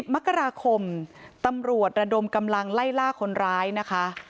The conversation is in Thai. มกราคมตำรวจระดมกำลังไล่ล่าคนร้ายนะคะ